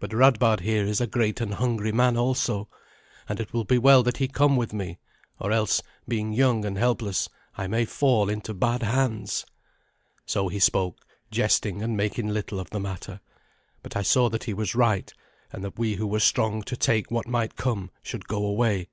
But Radbard here is a great and hungry man also, and it will be well that he come with me; or else, being young and helpless, I may fall into bad hands." So he spoke, jesting and making little of the matter. But I saw that he was right, and that we who were strong to take what might come should go away.